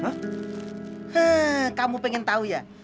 hah kamu pengen tahu ya